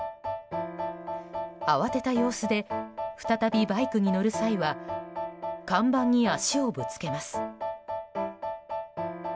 慌てた様子で再びバイクに乗る際は看板に足をぶつけます。